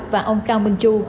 và ông cao minh chu